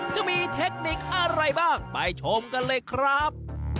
จะมีเทคนิคอะไรบ้างไปชมกันเลยครับ